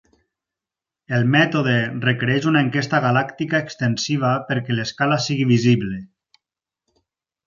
El mètode requereix una enquesta galàctica extensiva perquè l'escala sigui visible.